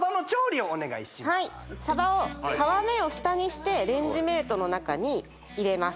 はいサバを皮目を下にしてレンジメートの中に入れます